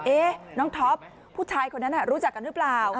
น้องท็อปผู้ชายคนนั้นรู้จักกันหรือเปล่า